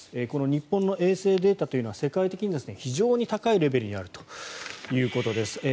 この日本の衛星データというのは世界的に非常に高いレベルにあるということです。